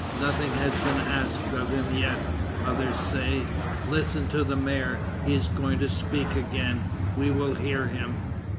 Nothing has been asked of him yet." Others say: "Listen to the mayor, he is going to speak again; we will hear him."